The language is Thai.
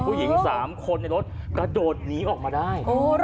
ผู้หญิง๓คนในรถกระโดดหนีออกมาได้